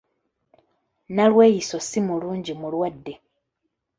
Nalweyiso si mulungi mulwadde.